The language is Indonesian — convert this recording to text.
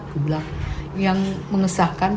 aku bilang yang mengesahkan